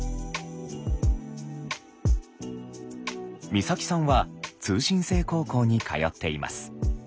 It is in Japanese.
光沙季さんは通信制高校に通っています。